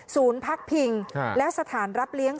พักพิงและสถานรับเลี้ยง